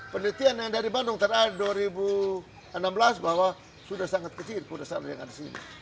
penelitian yang dari bandung terakhir dua ribu enam belas bahwa sudah sangat kecil kuda sendal yang ada di sini